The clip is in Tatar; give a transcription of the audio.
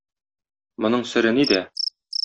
Моның сере нидә?